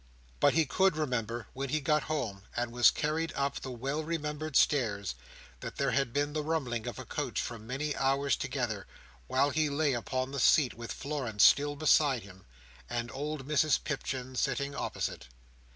But he could remember, when he got home, and was carried up the well remembered stairs, that there had been the rumbling of a coach for many hours together, while he lay upon the seat, with Florence still beside him, and old Mrs Pipchin sitting opposite.